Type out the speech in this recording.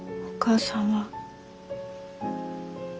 お母さんは？